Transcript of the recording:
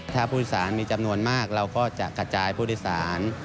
ถ้าผู้โดยสารมีจำนวนมากเราก็จะกระจายผู้โดยสาร